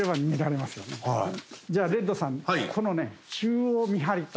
じゃあレッドさんこのね。